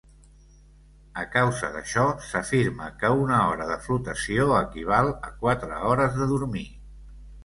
A causa d’això s’afirma que una hora de flotació equival a quatre hores de dormir.